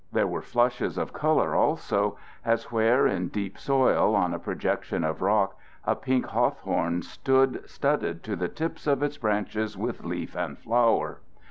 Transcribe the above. There were flushes of color also, as where in deep soil, on a projection of rock, a pink hawthorn stood studded to the tips of its branches with leaf and flower.